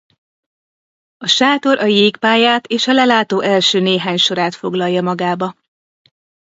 A sátor a jégpályát és a lelátó első néhány sorát foglalja magába.